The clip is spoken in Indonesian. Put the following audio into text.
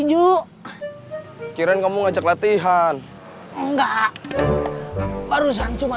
jadi kita juga tenang kerjanya